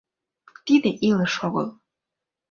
Тиде илыш огыл.